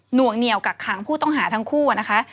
วงเหนียวกักขังผู้ต้องหาทั้งคู่นะคะ